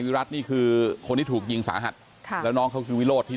ก็ได้รู้สึกว่ามันกลายเป้าหมายและมันกลายเป้าหมาย